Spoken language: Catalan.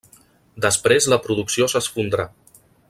Després la producció s'esfondrà.